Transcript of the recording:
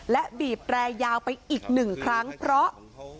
และบีบแรยาวไปอีกหนึ่งครั้งเพราะ